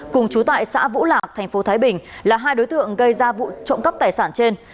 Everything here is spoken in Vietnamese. cùng chú tại xã vũ lạc tp thái bình là hai đối tượng gây ra vụ trộm cắp tài sản trên